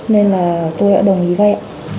nên là tôi đã đồng ý vay